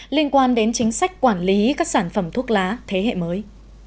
liên quan đến chính sách quản lý các sản phẩm thuốc lá thế hệ mới